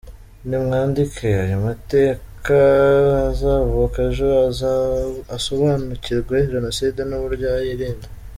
Nimwandike ayo mateka uzavuka ejo asobanukirwe Jenoside n’uburyo yayirinda.